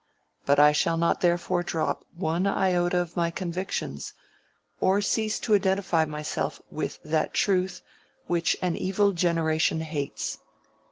But I shall not therefore drop one iota of my convictions, or cease to identify myself with that truth which an evil generation hates.